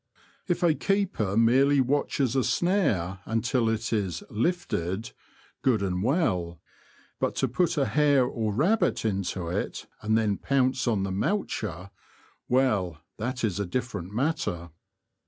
If a keeper merely watches a snare until it is '' lifted," good and well ; but to put a hare or rabbit into it and then pounce on the moucher — well, that is a diflferent matter.